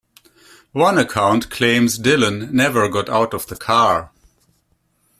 One account claims Dillon never got out of the car.